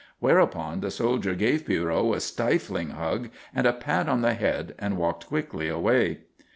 Whereupon the soldier gave Pierrot a stifling hug and a pat on the head and walked quickly away.